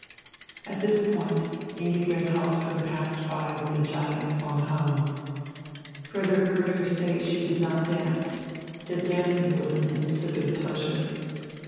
At this point Ingigerd Hahlström passed by with the giant Von Halm. Frederick heard her say she did not dance, that dancing was an insipid pleasure.